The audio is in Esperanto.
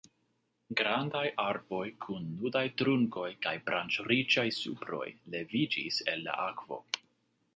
Grandaj arboj kun nudaj trunkoj kaj branĉriĉaj suproj leviĝis el la akvo.